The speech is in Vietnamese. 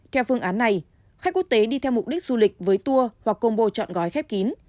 theo phương án này khách quốc tế đi theo mục đích du lịch với tour hoặc combo chọn gói khép kín